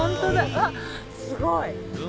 わっすごい！